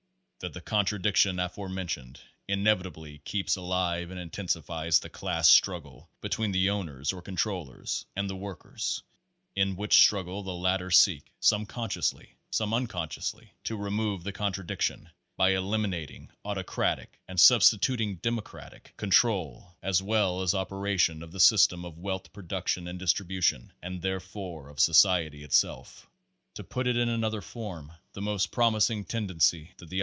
That the contradiction aforementioned inevit ably keeps alive and intensifies the class struggle be tween the owners or controllers, and the workers, in which struggle the latter seek (some consciously, some unconsciously) to remove the contradiction by eliminat ing autocratic, and substituting democratic, control as well as operation of the system of wealth production and distribution, and therefore of Society itself. To Page Forty six put it in another form : The most promising tendency that the I.